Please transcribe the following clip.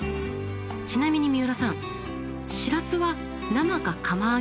ちなみに三浦さんシラスは生か釜揚げ